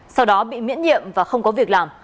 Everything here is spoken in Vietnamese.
sau đó bị miễn nhiệm và không có việc làm